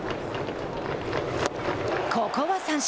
ここは三振。